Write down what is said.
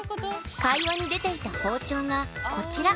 会話に出ていた「包丁」がこちら。